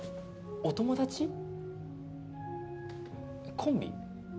コンビ？